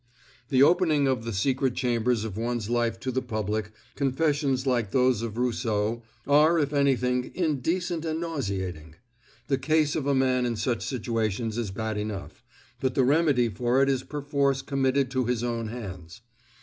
The opening of the secret chambers of one's life to the public, confessions like those of Rousseau, are, if anything, indecent and nauseating. The case of a man in such situations is bad enough, but the remedy for it is perforce committed to his own hands.